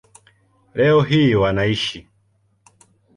Leo hii wanaishi